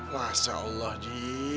masya allah ji